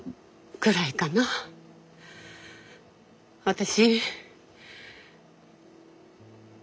私。